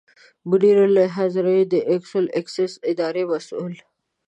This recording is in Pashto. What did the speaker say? منیر هزاروي د اکول اکسیس اداري مسوول.